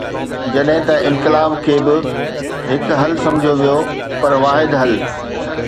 جڏهن ته انقلاب کي به هڪ حل سمجهيو ويو، پر واحد حل.